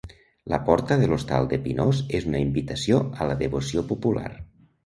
La porta de l'Hostal de Pinós és una invitació a la devoció popular.